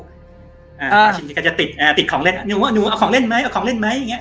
ป่าชิ้นก็จะติดของเล่นหนูหนูเอาของเล่นไหมเอาของเล่นไหม